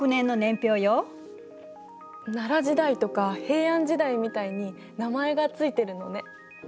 奈良時代とか平安時代みたいに名前が付いてるのね。